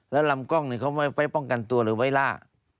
แล้วลำกล้องเนี่ยเขาไปป้องกันตัวหรือไปล่า